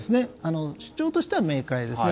主張としては明快ですね。